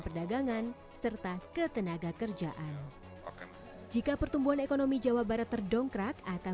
perdagangan serta ketenaga kerjaan jika pertumbuhan ekonomi jawa barat terdongkrak akan